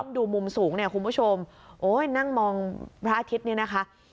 ดูมุมสูงคุณผู้ชมนั่งมองพระอาทิตย์นี่นะคะ